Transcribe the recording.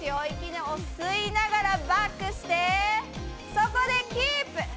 息を吸いながらバックして、そこでキープ。